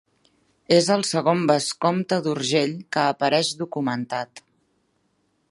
És el segon vescomte d'Urgell que apareix documentat.